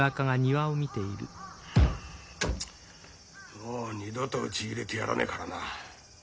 もう二度とうち入れてやらねえからな。